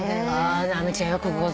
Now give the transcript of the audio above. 直美ちゃんよくご存じ。